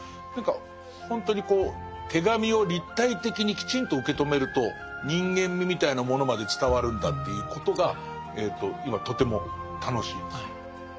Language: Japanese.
何かほんとにこう手紙を立体的にきちんと受け止めると人間味みたいなものまで伝わるんだということが今とても楽しいです。